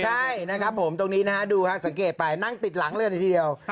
ใช่นะครับผมตรงนี้นะฮะดูครับสังเกตไปนั่งติดหลังเลยทีเดียว